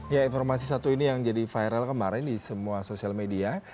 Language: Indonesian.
ya informasi satu ini yang jadi viral kemarin di semua sosial media